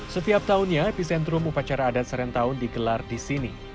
setiap tahunnya episentrum upacara adat serentakun digelar di sini